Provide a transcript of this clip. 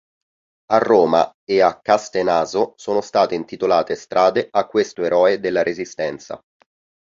A Roma e a Castenaso sono state intitolate strade a questo eroe della Resistenza.